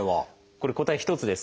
これ答え１つです。